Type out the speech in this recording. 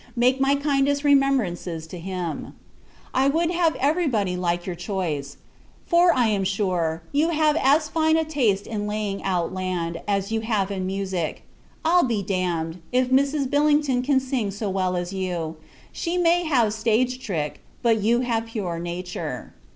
Make my kindest remembrances to him. I would have every body like your choice; for, I am sure, you have as fine a taste in laying out land, as you have in music. I'll be damned, if Mrs. Billington can sing so well as you. She may have stage trick, but you have pure nature.